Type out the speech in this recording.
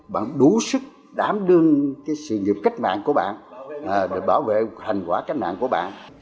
bạn đủ sức đảm đương cái sự nghiệp cách mạng của bạn để bảo vệ hành quả cách mạng của bạn